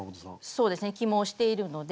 そうですね起毛しているので。